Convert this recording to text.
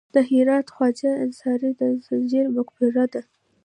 د هرات خواجه انصاري د سنجر مقبره ده